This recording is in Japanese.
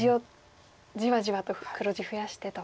じわじわと黒地増やしてと。